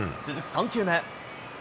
３球目。